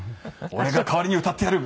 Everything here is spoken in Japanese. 俺が代わりに歌ってやる！